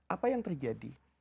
itu yang terjadi